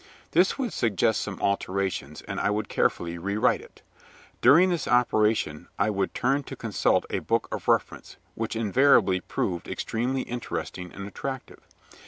This would suggest some alterations, and I would carefully rewrite it. During this operation I would turn to consult a book of reference, which invariably proved extremely interesting and attractive.